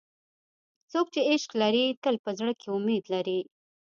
څوک چې عشق لري، تل په زړه کې امید لري.